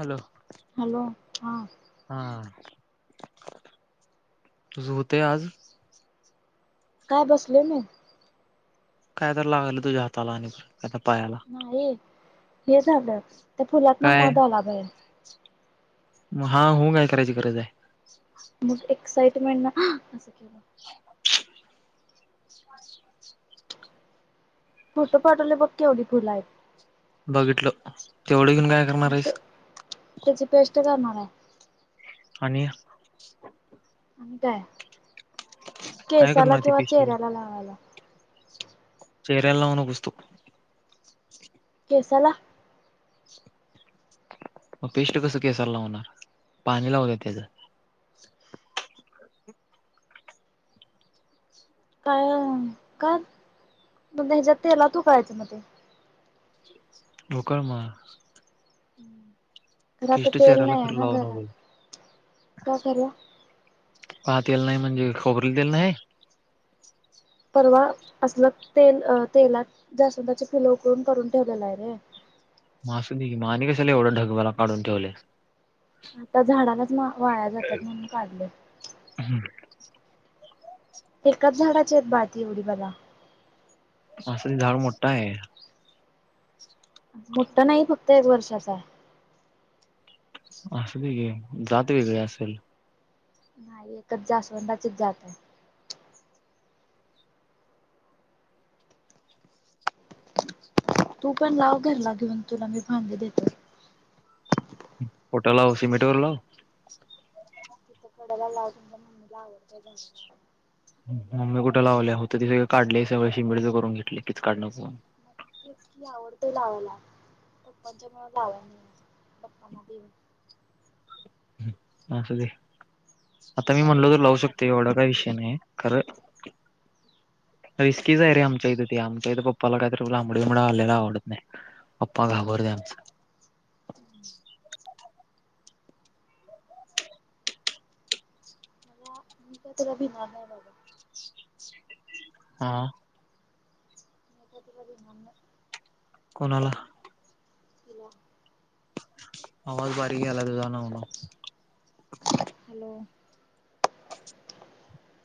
Hello hello हा तुझ हुतय आज का बसलोय मी काय तर लागल तुझ्या हाताला आणि प नाही हे झालं त्या फुलातन मध आला बाहेर म हा हू काय करायची गरज आहे मग एक्साइटमेंट न आं असं केलं [inaudible] फोटो पाठवलंय बघ केवढी फुल आहेत बघितल तेवढं [unintelligible] मग ते आहेस त्याची पेस्ट करणार हाय आणि आणि काय काय केसाला करणार ती किंवा पेस्ट चेहऱ्याला लावायला चेहऱ्याला लावू नकोस तू केसाला [inaudible] मग, पेस्ट कस केसाला लावणार? पाणी लावुया तेज [inaudible] काय [inaudible] अं का मग ह्याच्यात तेलात उकळायच म ते उकळ म [inaudible] खरं आता तेल नाही हाय खरं ना लावू नको घरात काय करुया [inaudible] का तेल नाही म्हणजे काय खोबरेल तेल नाही? परवा आसंल तेल अं तेलात जास्वांदाची फुल उकळून करून ठेवलेलं हाय रे म असुदे की म आणि कशाला एवढं ढगभला काढून ठेवल्यास. आता झाडालाच म वाया जात्यात म्हणून काढल. [inaudible] [inaudible] एकाच झाडाची आहेत बाळ ती एवढी भला अस ही झाड मोठ हाय. मोठं नाही फक्त एक वर्षाच हाय असुदे की जात वेगळी असलं नाही एकच जास्वंदाचीच जात हाय तू पण [inaudible] लाव घरला घेऊन तुला मी फांदी देतो. कुठ लावू? सिमेंट वर लावू [inaudible] कडला लाव तुमच्या मम्मीला आवड हम्म मम्मी कुठे लावल्या होतं ते सगळ काढलय सगळ शिमेटच करून घेतलय कीचकाट नको म्हणून तेच की आवडतय लावायला पण पप्पांच्या मूळ लावायला नाही पप्पांना देईन असू दे, आता मी काय म्हणलो तर भिणार लावू नाही बाबा शकतोय एवढा काय विषय नाही खरं [inaudible] रिस्कीच आहे रे आमच्या इथं ते आमच्या इथं पप्पाला कायतरी लांबडंबिंबड आलेल आवडत नाही पप्पा घाबरत्यात. [unintelligible] मला, मी काय तुला भिणार नाही बाबा [inaudible] हा मी काय तुला भिणार नाही [inaudible] कोणाला? हिला आवाज बारीक यायलाय तुझा नाव- नाव [inaudible] हॅलो [inaudible] [inaudible]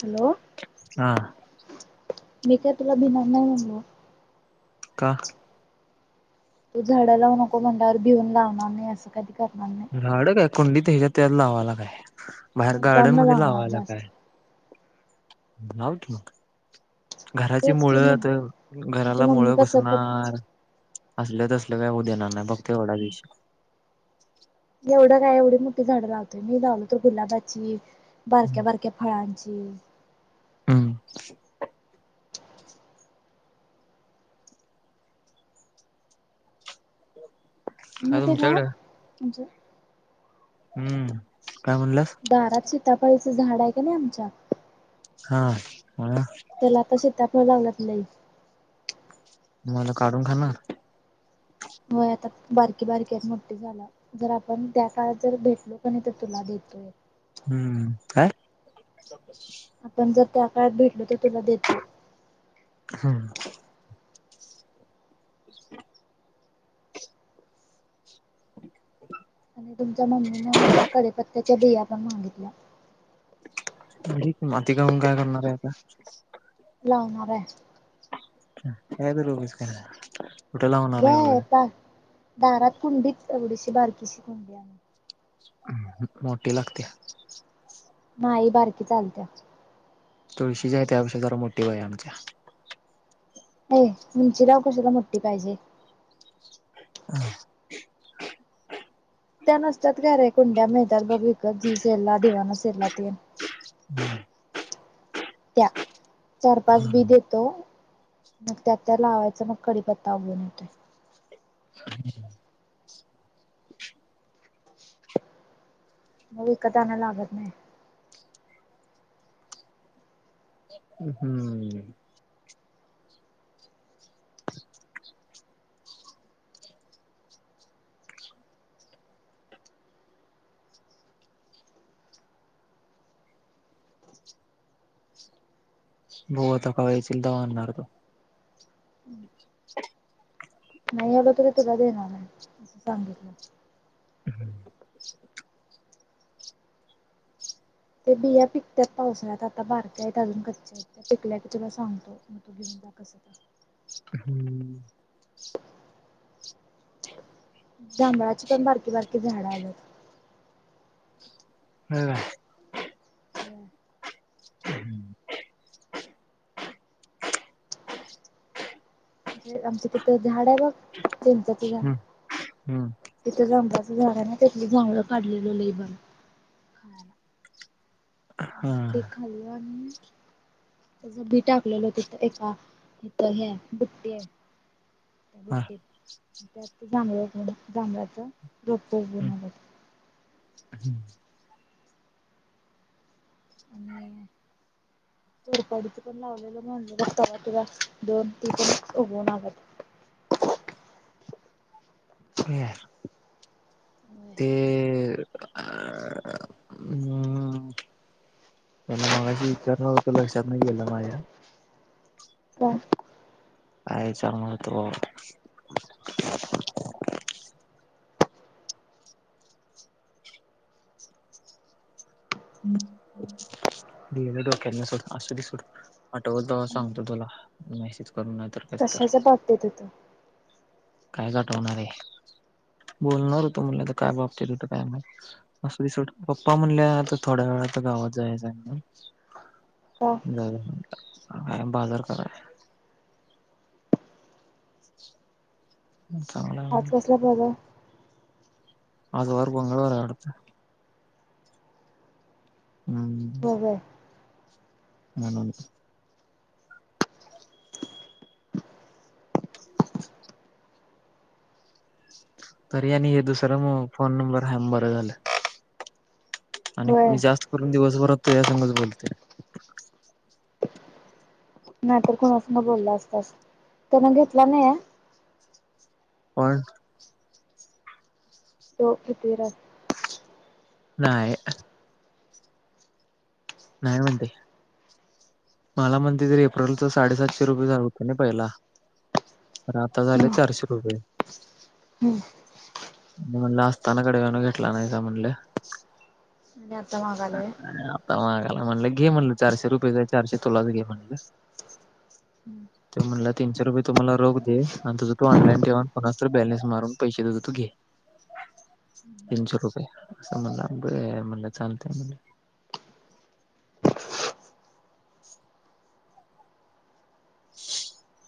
हॅलो हा मी काय तुला भिनार नाही म्हणलो. का? तू झाडं लावू नको म्हणटल्यावर भिऊन लावणार नाही असं काधी करणार नाही. झाड काय कुंडीत ह्याच्यात -त्याच्यात लावायला काय. बाहेर मुद्दाम गार्डन न मध्ये लावणार लावायला काय, जास्त लाव की मग. घराची तेच मुळ- कि मु तेन तुमची घराला मम्मी मुळं कसं प घुसणार... असलं -तसलं काय होऊ देणार नाही फक्त एवढाच विषय एवढं काय एवढी मोठी झाडं लावतोय मी लावलो तर गुलाबाची बारक्या -बारक्या फळांची ची हम्म [inaudible] काय तुमच्याकडे [unintelligible] हम्म काय म्हणाल्यास? सिताफळीचं झाड आहे का नाही आमच्या हा मला त्याला आता सिताफळ लागल्यात लय [inaudible] मग काय काढून खाणार? होय आता बारकी बारकी आहेत मोठी झाल्यावर जर आपण त्या काळात जर भेटलो कानाय तर तुला देतो. ह [unintelligible] हम्म काय? आपण जर त्या काळात भेटलो तर तुला देतो. हा. [inaudible] हो [inaudible] आणि तुमच्या मम्मीनं मला कडिपत्त्याच्या बिया पण मागितल्या. म्हण माती खाऊन काय करणार आहे आता. लावणाराय‌ काय तर उगीच का कुठं लावणार आहे होय. व्हय पा दारात कुंडीत एवढीशी बारकीशी कुंडी आहे. मोठी लागत्या. नाही बारकी चालत्या. तुळशीची आहे त्यापेक्षा जरा मोठी पाहिजे आमच्या अ उंचीला कशाला मोठी पाहिजे. [inaudible] त्या नसत्यात काय रे कुंड्या मिळत्यात बघ विकत त्या सेलला दिवाळी सेलला ते हम् [inaudible] त्या चार पाच बी देतो. मग त्यात त्या लावायचा मग कडीपत्ता उगळून येतोय. हम्. [unintelligible] मग विकत आणाय लागत नाही. हम्म. बघू आता कवा येशिल तवा आणणार बग. [inaudible] नाही आल तरी तुला देणार आहे अस सांगितलं. हम्म. ते बिया पिकतात पावसाळ्यात आता बारक्या आहेत अजून कच्च्या आहेत त्या पिकल्या की तुला सांगतो. कसं तर. हम्म. जांभळाची पण बारकी बारकी झाड आल्यात. ह. हम्म. हम्म. आमच तिथं झाड आहे बघ चिंचेच झाड हम्म हम्म तिथं जांभ झाडाने त्यातलं जांभळं काढलेलं लईभारी खायाला. हा. [unintelligible] त्याचं बी टाकलेलो तिथं एका इथ ह बुट्टीये. हा बुटी. त्यात जांभळ जांभळाचा रोप उघवून हम्म आल्यात. [unintelligible] [inaudible] कोरपडीच पण लावलेल म्हणले तेव्हा दोन तीन उगवून आल्यात. [inaudible] ते. हम्म त्याला मगाशी विचारणारं होत लक्षात नाही गेलं माझ्या. का? [unintelligible] गेलं डोक्यातन सोड असूदे सोड आठवल तवा सांगतो तुला मॅसेज. कशाच्या बाबतीत हो तो? काय गाठवणार आहे? बोलणार होतो म्हणलं तर काय बाबतीत होत काय नाही. असूदे सोड, पप्पा म्हणल्या आता थोड्या वेळा. आता गावात जायाचाय. का काय बाजार कराय. चांगलाय. हाच कसला बरं आज वार मंगळवार हाय वाटतं. हम्म. होय होय म्हणून. तरी आणि हे दुसरां मग फोन नंबर हाय म्हणून बर झालं. आणि होय मी जास्त करून दिवसभरात तुझ्या संगच बोलतोय. नाहीतर कुणास संग बोलला असतास त्यां न घेतला नाहीये. पण. तो कितवीलाय. नाही. नाही म्हणतय. मला म्हणतेय, एप्रिलच साडेसातशे रुपये झाल होतं ना पहिला. आणि आता झाले हम्म चारशे रुपये. हम्म आणि म्हणलं असताना कडव्यानो घेतला नाहीसा म्हणलं. [unintelligible] आणिे आता माघायला मागाला म्हणलं घे म्हणलं, चारशे रुपय, काय चारशे, तुलाच घे म्हणलं! त म्हणलं तीनशे रुपये तु मला रोख दे, आणि तुज तु ऑनलाइन ठेव, कोणाचं तरी बॅलेस मारून पैसे देतो तू घे. तीनशे रुपये, असं म्हणल बरं म्हणलं चालतय ब [inaudible]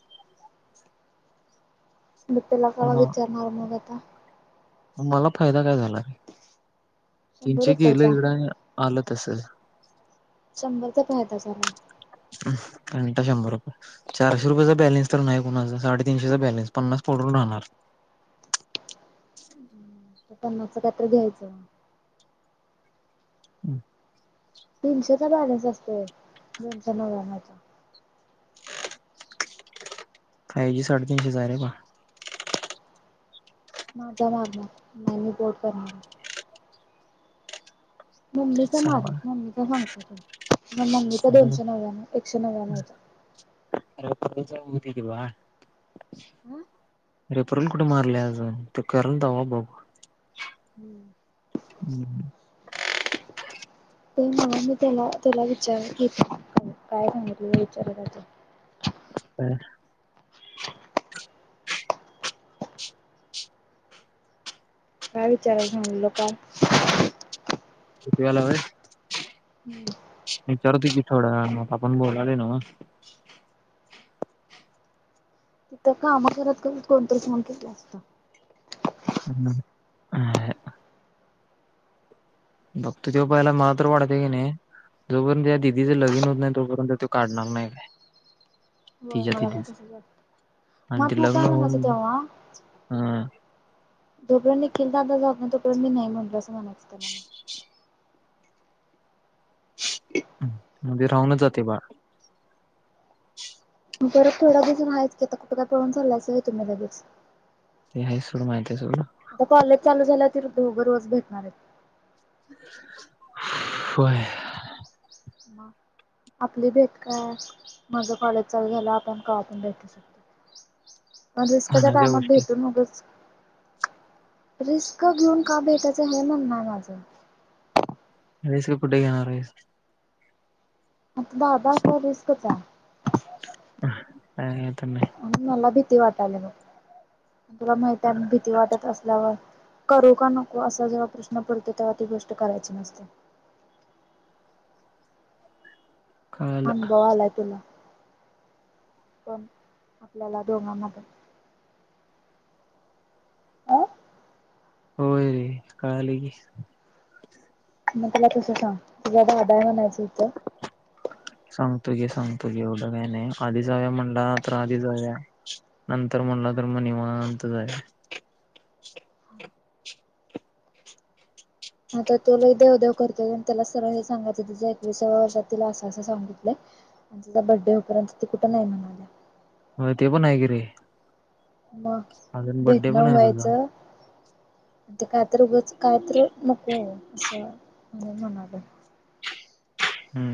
मी तुला कवा म विचारणार मग आता. मला फायदा काय झाला? शंभर तनचे गेलं रुपयाचा एवढं आलं तस [unintelligible] शंभरचा फायदा झाला. घंटा शंभर रुपय चारशे रुपयाचा बॅलेन्स तर नाही कुणाचा, साडेतीनशेचा बॅलेन्स पन्नास पडून राहणार पन्नास चे काहीतरी घ्यायचं. हम्.. तीनशेचा बॅलन्स असतोय, दोनशे नव्या्णचा काही [unintelligible] साडेतीीनशे हजार आहे प माझा मारणार, नाही मी बोट करणार. तेच मम्मीचा मार, सांगालोय मम्मीचा सांगतो तू मग मम्मी, दोनशे नव्याण्व एकशे नव्याण्णव होता. अ उती कवा [unintelligible] हम्म [unintelligible] अरे परल कुठे मारले आज त कल दवा बाब [unintelligible] हम्म... हम्म [unintelligible] ते म्हणून, मी त्याला तुला विचार काय सांगितलं? विचार ह [unintelligible] काय विचारायला सांगितलं का कतील चार त [unintelligible] थोडं मग आपण बोलाले ना म [unintelligible] तिथं काम करत करत कोण तरी फोन केलता अता हम् ह बघत तेव पायला मात्र वाढत की नाही जोपर्यंत या दिदीच लगीन होत नाही तोपर्यंत तो काढणार नाही काय. व्हय हो तिच्या मला पण दिदीच तसच वाटत आणि मग ते तू लग्न काय होऊन म्हणायचं तेव्हा अ जो पर्यंत निखील दादा जाऊ ना तो पर्यंत मी नाही म्हटल असं म्हणायचं त्याला म्हध्येे राहूनच जाते बाळ बरं थोडा दिसून आहेच की आता कुठं काय पळून चालायचं आहे तुम्ही ल दिस हे सर्व माहिती आहे तुला आता कॉलेज चालू झाल्या वरती तू रोज भेटणार आहेत. व्हय. हा. आपली भेट काय माझ कॉलेज चालू झालं आपण कवा पण भेटू शकतो. मग रिस्कच्या म्हणायच्या टायमात गोष्टी भेटून मगच रिस्क घेऊन का भेटायचं हे म्हण आहे माझं रिस्क कुठे घेणार आहेस. आता दादा त रिस्कच आहे अ तम आणि मला भीती वाटायला बघ मग तुला माहित भीती वाटत असल्यावर करू का नको असा जेव्हा प्रश्न पडतो तेव्हा ती गोष्ट करायची नसते. [unintelligible] कळालं अनुभव आलाय तुला. पण आपल्याला दोघांना पण. अ होय रे कळालय घे मग तुला तसं सांग तुझ्या ददाय म्हणायचं होतं सांगतो घे सांगतो घे एवढं काही नाही आधी जावु या म्हणला तर आधी जावूया नंतर म्हणलात म णीवांत जा आहे ह तर तुला देव देव करतो त्याला सरळ हे सांगायचं त एकस वर्षातील असं असं सांगितलं आणि तिचा बर्डे होपर्यंत ती कुठं नाही म्हणाल्या होय ते पण आहे की रे म अजून बड्डे पण भेटणं आहे तुझा व्हायचं. ते काय तर उगच कायत नको असं म्ह म्हणाल हम्म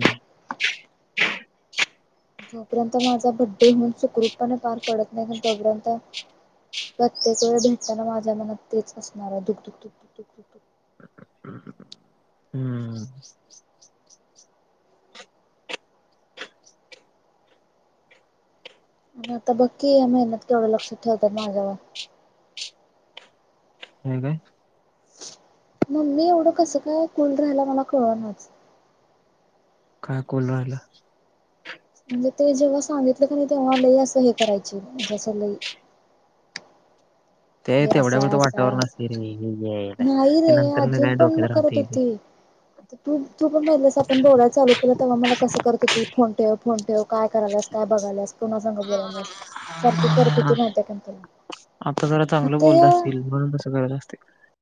जोपर्यंत माझा बड्डे होन सुखरूपपणे पार पडत नाही कारण तोपर्यंत प्रत्येक वेळ भेटताना माझ्या मनात तेच असणार आहे दुख दुख दुख दुक दुख दु दुख हम्म आता बघकी मेहनत केवढं लक्ष ठेवतात माझ्यावर हे काय मगमी एवढं कसं काय कुल राहायला मला कळ नाच. काय कुल राहिलं. म्हणजे ते जेव्हा सांगितलं ख नाही तेव्हा लई असं हे करायची जसं लई ते हे असं तेवढ्यावरच हाय वातावरण असते रे अस यायला, नाही ते रे नंतर न अजून काय पण मग डोक्यात करत राहते ते होती तू तू पण म्हहितलंस आपण बोलायला चालू केलं तेव्हा मला कसं करत होती फोन ठेव फोन ठेव काय करायलास काय बघायलास पुन्हा संग बोलाल्यास सारखं करत होती माहितीय काय तुला आता जरा चांगलं बोलत आता असतील, म्हणून तसं करत असतील.